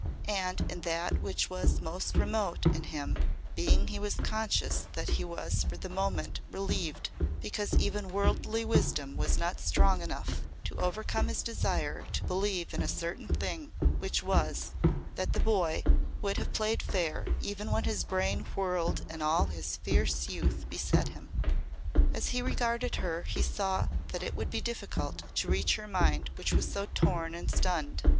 And in that which was most remote in his being he was conscious that he was for the moment relieved because even worldly wisdom was not strong enough to overcome his desire to believe in a certain thing which was that the boy would have played fair even when his brain whirled and all his fierce youth beset him. As he regarded her he saw that it would be difficult to reach her mind which was so torn and stunned.